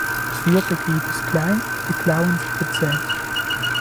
Das vierte Glied ist klein, die Klauen sind gezähnt.